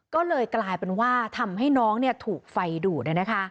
ก็เลยกลายเป็นว่าทำให้น้องถูกไฟดูด